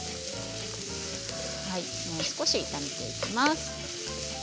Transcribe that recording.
もう少し、炒めていきます。